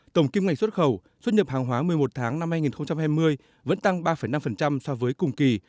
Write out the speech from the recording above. tổng kim ngạch xuất khẩu xuất nhập hàng hóa một mươi một tháng năm hai nghìn hai mươi vẫn tăng ba năm so với cùng kỳ